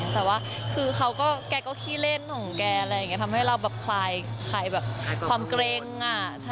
แต่ว่าแกก็คี่เล่นของแกอะไรอย่างนี้ทำให้เราคลายความเกร็ง